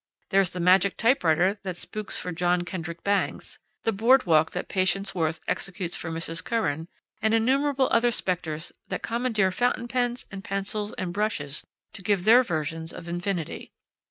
There's the magic typewriter that spooks for John Kendrick Bangs, the boardwalk that Patience Worth executes for Mrs. Curran, and innumerable other specters that commandeer fountain pens and pencils and brushes to give their versions of infinity.